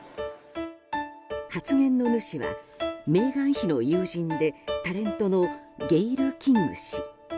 発言の主はメーガン妃の友人でタレントのゲイル・キング氏。